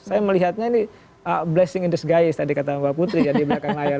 saya melihatnya ini blessing in the sguise tadi kata mbak putri ya di belakang layar